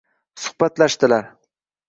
Suhbatlashdilar.